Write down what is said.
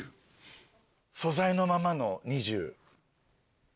素材のままの２０。